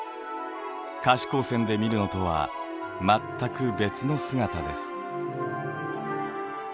可視光線で見るのとは全く別の姿です。